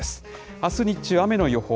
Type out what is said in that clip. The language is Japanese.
あす日中、雨の予報。